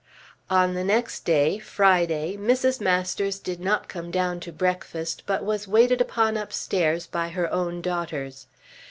On the next day, Friday, Mrs. Masters did not come down to breakfast, but was waited upon upstairs by her own daughters.